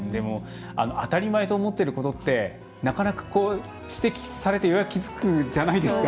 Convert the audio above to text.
当たり前と思ってることってなかなか指摘されてようやく気付くじゃないですか。